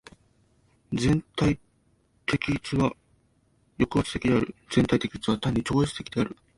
全体的一は抑圧的である。全体的一は単に超越的である。